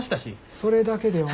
それだけではね。